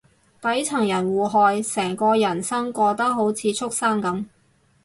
底層人互害，成個人生過得好似畜生噉